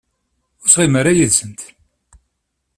Ur ttɣimi ara yid-sent.